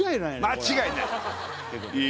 間違いない！